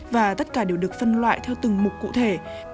và tất cả đều được phân loại theo từng mục cụ thể